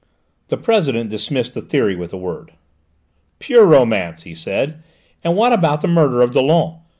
The President dismissed the theory with a word. "Pure romance!" he said. "And what about the murder of Dollon?